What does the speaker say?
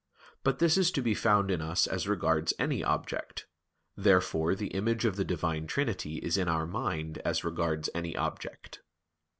But this is to be found in us as regards any object. Therefore the image of the Divine Trinity is in our mind as regards any object.